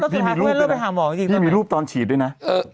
แปลกนี่มีรูปตอนฉีดด้วยนะ